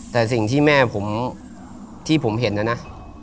แต่สิ่งที่แม่ผมที่ผมเห็นนะนะ